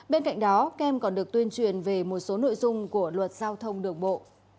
bên cạnh đó kem còn được tuyên truyền về một số nội dung của luật giao thông đường bộ